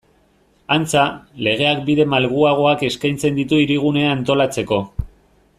Antza, legeak bide malguagoak eskaintzen ditu Hirigunea antolatzeko.